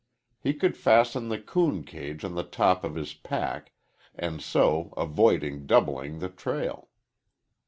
He could fasten the coon cage on the top of his pack, and so avoid doubling the trail.